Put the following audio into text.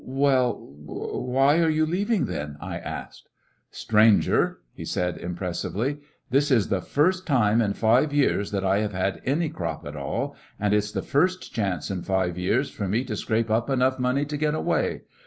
"Well, why are you leaving, thent" I asked. "Stranger," he said impressively, "this is the first time in five years that I have had 51 3 '^^issionarY in t^ Great West any crop at all, and it 's the first chance in five years for me to scrape up enough money to get away.